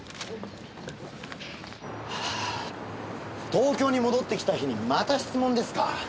東京に戻ってきた日にまた質問ですか？